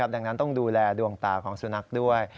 ดังนั้นต้องดูแลดวงตาของสุนัขด้วย